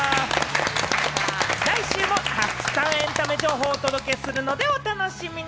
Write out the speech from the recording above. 来週もたくさんエンタメ情報をお届けするのでお楽しみに。